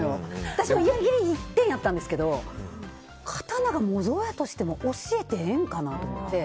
私も居合斬り一点やったんですけど刀が模造やとしても教えてえんかなと思って。